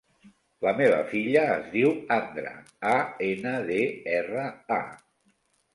La meva filla es diu Andra: a, ena, de, erra, a.